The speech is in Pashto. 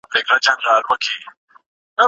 شخصي ملکیت یو ارزښت دی.